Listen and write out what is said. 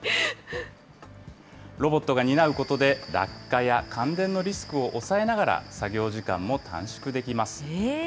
ロボットが担うことで、落下や感電のリスクを抑えながら、作業時間も短縮できます。